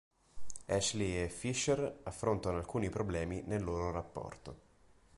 Ashleigh e Fisher affrontano alcuni problemi nel loro rapporto.